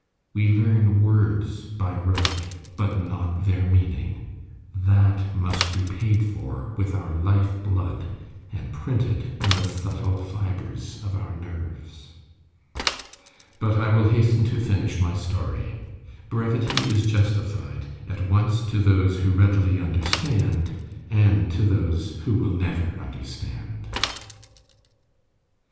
We learn words by rote, but not their meaning; that must be paid for with our life blood, and printed in the subtle fibres of our nerves. But I will hasten to finish my story. Brevity is justified at once to those who readily understand, and to those who will never understand.